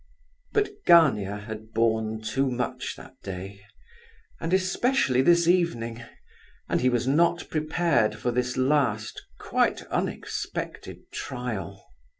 But Gania had borne too much that day, and especially this evening, and he was not prepared for this last, quite unexpected trial.